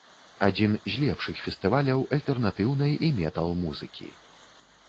Адзін з лепшых фестываляў альтэрнатыўнай і метал-музыкі.